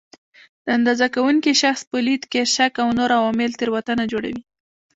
د اندازه کوونکي شخص په لید کې شک او نور عوامل تېروتنه جوړوي.